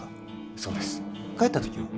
そうです帰ったときは？